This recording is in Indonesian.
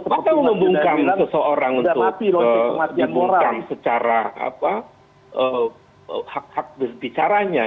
kenapa membungkam seseorang untuk membungkam secara hak hak berbicara